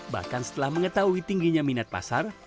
bahkan setelah mengetahui tingginya minat pasar